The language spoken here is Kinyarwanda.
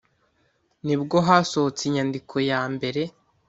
nibwo hasohotse inyandiko ya mbere